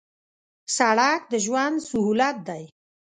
سړک د ژوند سهولت دی